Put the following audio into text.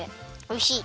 おいしい！